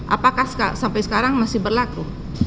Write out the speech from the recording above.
apakah sampai sekarang masih berlaku